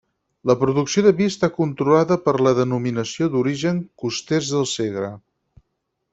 La producció de vi està controlada per la Denominació d'Origen Costers del Segre.